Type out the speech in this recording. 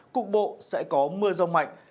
cục bộ sẽ có mưa rông mạnh